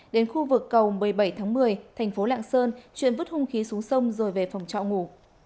đến khu vực cầu một mươi bảy tháng một mươi thành phố lạng sơn chuyển vứt hung khí xuống sông rồi về phòng trọ ngủ